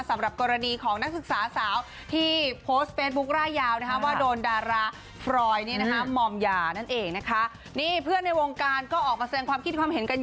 สำหรับกรณีของนักศึกษาสาวที่พโปรด